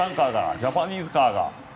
ジャパニーズカーが。